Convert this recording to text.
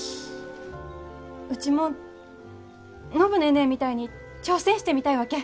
うちも暢ネーネーみたいに挑戦してみたいわけ。